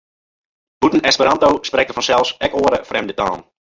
Bûten Esperanto sprekt er fansels ek oare frjemde talen.